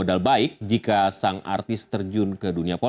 terima kasih atas waktunya